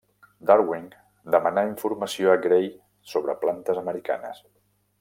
Darwin demanà informació a Gray sobre plantes americanes.